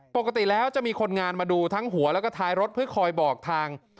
ปกติแล้วจะมีคนงานมาดูทั้งหัวแล้วก็ท้ายรถเพื่อคอยบอกทาง